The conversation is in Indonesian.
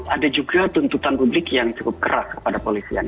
ada juga tuntutan publik yang cukup keras kepada polisian